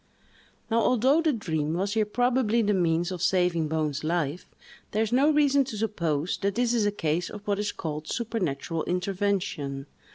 Now, although the dream was here probably the means of saving Bone's life, there is no reason to suppose that this is a case of what is called supernatural intervention.